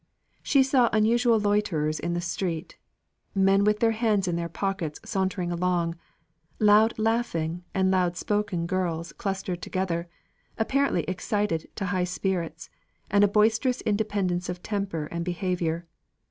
She saw unusual loiterers in the streets: men with their hands in their pockets sauntering along; loud laughing and loud spoken girls clustered together, apparently excited to high spirits, and a boisterous independence of temper and behaviour.